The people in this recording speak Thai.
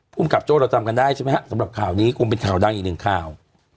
ภูมิกับโจ้เราจำกันได้ใช่ไหมฮะสำหรับข่าวนี้คงเป็นข่าวดังอีกหนึ่งข่าว